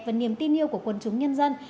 và niềm tin yêu của quân chúng nhân dân